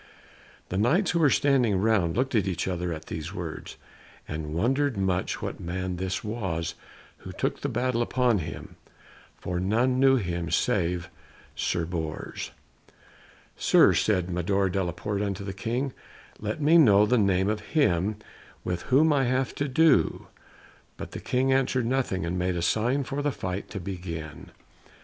The Knights who were standing round looked at each other at these words, and wondered much what man this was who took the battle upon him, for none knew him save Sir Bors. [Illustration: ARTHUR AND GUENEVERE KISS BEFORE ALL THE PEOPLE] "Sir," said Sir Mador de la Porte unto the King, "let me know the name of him with whom I have to do." But the King answered nothing, and made a sign for the fight to begin.